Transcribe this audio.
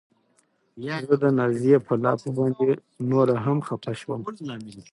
زه د نازيې په لافو باندې نوره هم خپه شوم.